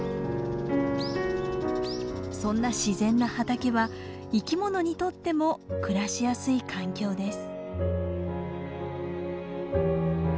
そんな自然な畑は生きものにとっても暮らしやすい環境です。